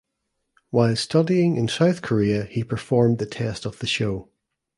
While studying in South Korea he performed the test of the show.